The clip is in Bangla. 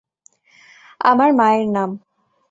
আমার মায়ের নাম।